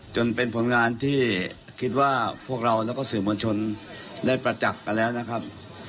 จนเป็นผลงานที่คิดว่าพวกเราแล้วก็สื่อมวลชนได้ประจักษ์กันแล้วนะครับ